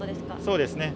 そうですね。